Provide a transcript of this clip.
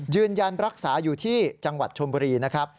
ยืนยันรักษาอยู่ที่จังหวัดชมบุรีนะครับ